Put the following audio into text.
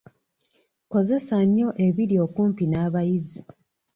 Kozesa nnyo ebiri okumpi n’abayizi.